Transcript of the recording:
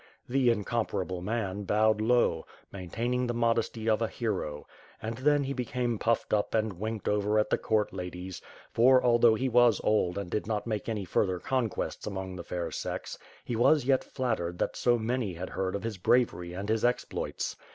The incomparable man bowed low, maintaining the modesty of a hero; end then he became puffed up and winked over at the court ladies; for, although he was old and did not make any further conquests among the fair sex, he was yet flattered that so many had heard of his bravery and his exploits.